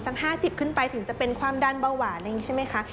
ช้ากว่านี้สัก๕๐ขึ้นไปถึงจะเป็นความดันเบาหวานใช่ไหมคะ